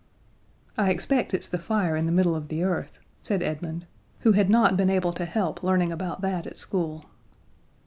"I expect it's the fire in the middle of the earth," said Edmund, who had not been able to help learning about that at school.